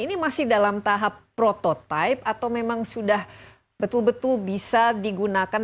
ini masih dalam tahap prototipe atau memang sudah betul betul bisa digunakan